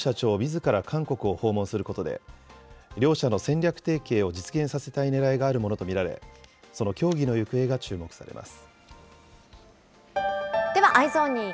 ソフトバンクとしては孫社長みずから韓国を訪問することで、両社の戦略提携を実現させたいねらいがあるものと見られ、その協議の行方が注目されます。